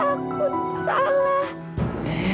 lara takut salah